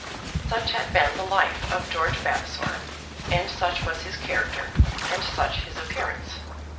Such had been the life of George Vavasor, and such was his character, and such his appearance.